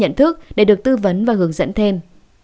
nhận thức để được tư vấn và hướng dẫn thêm